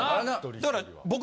だから僕。